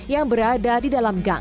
yang berada di dalam gang